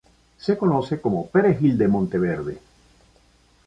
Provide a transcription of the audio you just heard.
Se conoce como "perejil de monteverde".